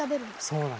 そうなの。